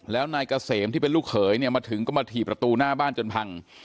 แล้วนายเกษมที่เป็นลูกเขยเนี่ยมาถึงก็มาถี่ประตูหน้าบ้านจนพัง